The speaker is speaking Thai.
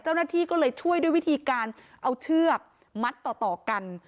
เจ้าหน้าที่ก็เลยช่วยด้วยวิธีการเอาเชือกมัดต่อกัน